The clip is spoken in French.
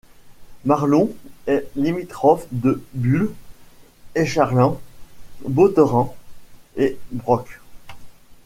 Morlon est limitrophe de Bulle, Echarlens, Botterens et Broc.